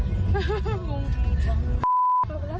แล้วกระจกกล้องกระจกกล้องก็ใส่